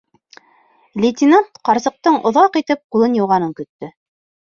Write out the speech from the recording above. Лейтенант ҡарсыҡтың оҙаҡ итеп ҡулын йыуғанын көттө.